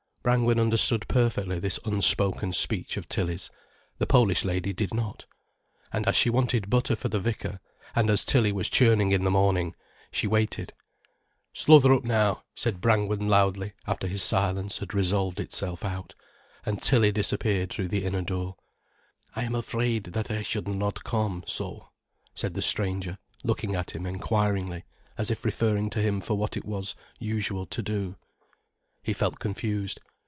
Brangwen understood perfectly this unspoken speech of Tilly's. The Polish lady did not. And as she wanted butter for the vicar, and as Tilly was churning in the morning, she waited. "Sluther up now," said Brangwen loudly after this silence had resolved itself out; and Tilly disappeared through the inner door. "I am afraid that I should not come, so," said the stranger, looking at him enquiringly, as if referring to him for what it was usual to do. He felt confused.